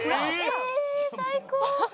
ええ最高！